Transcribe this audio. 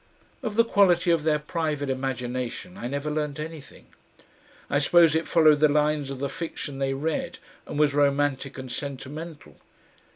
Of the quality of their private imagination I never learnt anything; I suppose it followed the lines of the fiction they read and was romantic and sentimental.